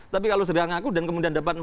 tapi kalau sedang ngaku dan kemudian dapat